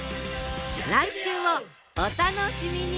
来週もお楽しみに！